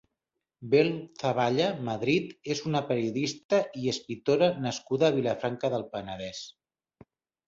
Bel Zaballa Madrid és una periodista i escriptora nascuda a Vilafranca del Penedès.